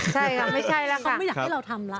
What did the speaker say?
ใช่ค่ะไม่ใช่แล้วเขาไม่อยากให้เราทำแล้ว